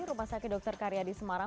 rumah sakit dr karyadi semarang